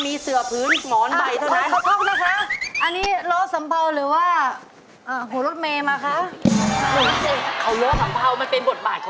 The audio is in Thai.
มีเสือพื้นหมอนใบเท่านั้น